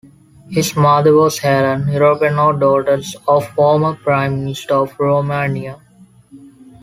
His mother was Helene Epourano, daughter of a former Prime Minister of Romania.